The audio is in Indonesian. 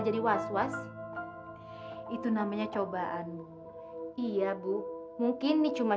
mari pak assalamualaikum